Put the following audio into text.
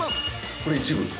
これ一部？